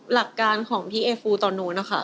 หลักการของพี่เอฟูตอนนู้นนะคะ